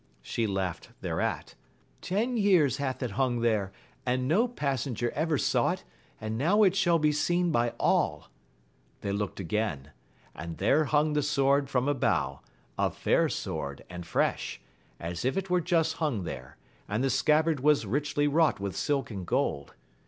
She laughed thereat ;— Ten years hath it hung there, and no passenger ever saw it, and now it shall be seen by all ! They looked again, and there hung the sword from a bough, a fair sword and fresh, as if it were just hung there, and the scabbard was richly wrought with silk and gold.